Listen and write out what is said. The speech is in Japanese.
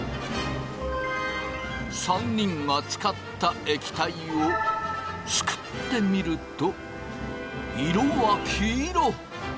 ３人がつかった液体をすくってみると色は黄色！